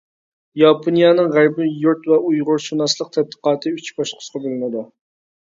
ياپونىيەنىڭ غەربىي يۇرت ۋە ئۇيغۇرشۇناسلىق تەتقىقاتى ئۈچ باسقۇچقا بۆلۈنىدۇ.